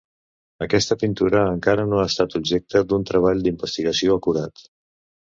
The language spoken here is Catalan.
Aquesta pintura encara no ha estat objecte d'un treball d'investigació acurat.